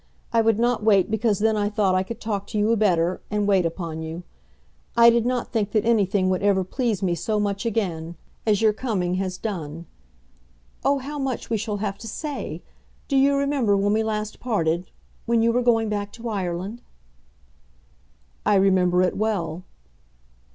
I would not wait because then I thought I could talk to you better, and wait upon you. I did not think that anything would ever please me so much again as your coming has done. Oh, how much we shall have to say! Do you remember when we last parted; when you were going back to Ireland?" "I remember it well."